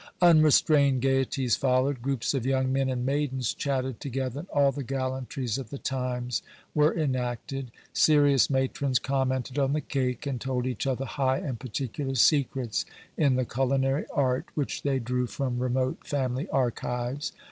Unrestrained gaieties followed. Groups of young men and maidens chatted together, and all the gallantries of the times were enacted. Serious matrons commented on the cake, and told each other high and particular secrets in the culinary art, which they drew from remote family archives.